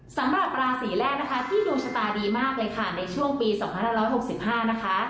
สำหรับราศีแรกนะคะที่ดวงชะตาดีมากเลยค่ะในช่วงปี๒๕๖๕นะคะ